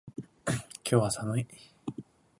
今日は寒い。